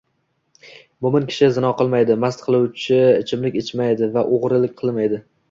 Mo‘min kishi zino qilmaydi, mast qiluvchi ichimlik ichmaydi va o‘g‘rilik qilmaydi